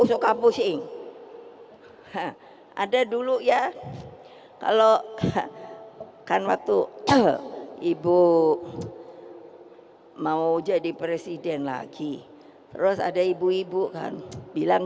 suka pusing ada dulu ya kalau kan waktu ibu mau jadi presiden lagi terus ada ibu ibu kan bilang